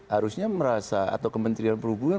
harusnya merasa atau kementerian perhubungan